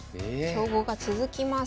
強豪が続きます。